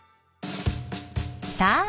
さあ